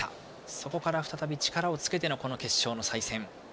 そこから再び力をつけてのこの決勝の再戦。